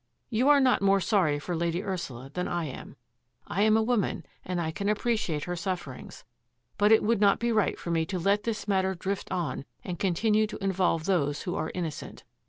You are not more sorry for Lady Ursula than I am. I am a woman and I can appreciate her sufferings, but it would not be right for me to let this matter drift on and continue to involve those who are innocent.